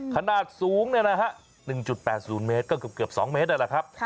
ขนาดสูง๑๘๐เมตรก็เกือบ๒เมตรนั่นแหละครับ